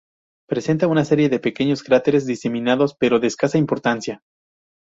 Presenta una serie de pequeños cráteres diseminados, pero de escasa importancia.